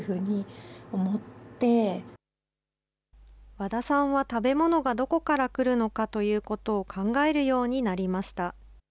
わださんは食べ物がどこから来るのかということを考えるようになりました。